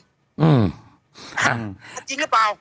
ครับจริงหรือเปล่า